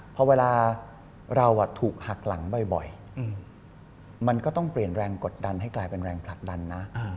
พอเวลาเราถูกหักหลังบ่อยมันก็ต้องเปลี่ยนแรงกดดันให้กลายเป็นแรงผลักดันนะ